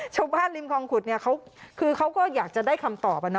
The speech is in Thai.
ชาวบ้านริมคองขุดเนี่ยเขาก็อยากจะได้คำตอบนะ